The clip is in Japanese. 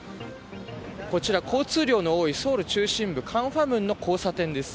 こちら、交通量の多いソウル中心部カンファムンの交差点です。